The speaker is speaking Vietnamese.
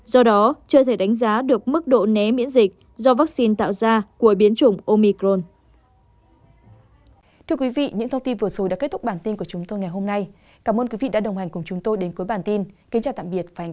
do đó chưa thể đánh giá được mức độ né miễn dịch do vaccine tạo ra của biến chủng omicron